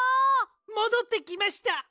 もどってきました！